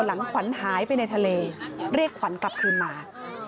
หลังขวัญหายไปในทะเลเรียกขวัญกลับคืนมา